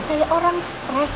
kayak orang stress